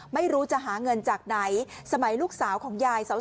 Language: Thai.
ไม่รู้จะหาเงินจากไหนสมัยลูกสาวของยายสาว